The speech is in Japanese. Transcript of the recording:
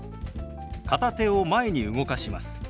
片手を前に動かします。